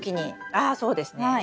ああそうですね。